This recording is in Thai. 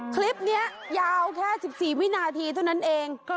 คลิปนี้ยาวแค่๑๔วินาทีเท่านั้นเอง